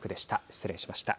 失礼しました。